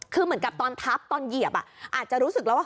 คือเหมือนกับตอนทับตอนเหยียบอาจจะรู้สึกแล้วว่า